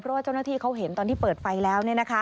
เพราะว่าเจ้าหน้าที่เขาเห็นตอนที่เปิดไฟแล้ว